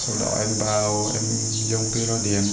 sau đó em vào em dùng cái loa điện